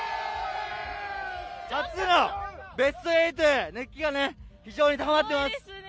初のベスト８へ熱気が非常に高まっています。